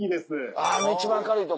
あの一番明るいとこ。